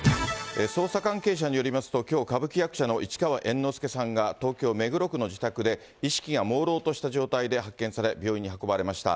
捜査関係者によりますと、きょう、歌舞伎役者の市川猿之助さんが、東京・目黒区の自宅で、意識がもうろうとした状態で発見され、病院に運ばれました。